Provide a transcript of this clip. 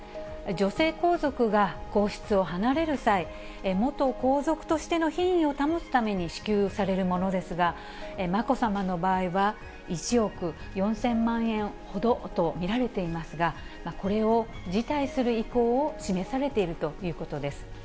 女性皇族が皇室を離れる際、元皇族としての品位を保つために支給されるものですが、まこさまの場合は、１億４０００万円ほどと見られていますが、これを辞退する意向を示されているということです。